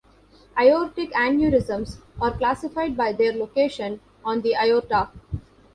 Aortic aneurysms are classified by their location on the aorta.